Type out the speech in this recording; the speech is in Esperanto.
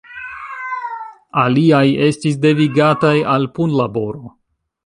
Aliaj estis devigataj al punlaboro.